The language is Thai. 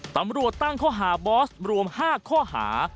ตำรวจตั้งข้อหาบอสรวม๕ข้อหา